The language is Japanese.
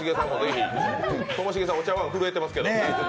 ともしげさん、お茶碗震えてますけど。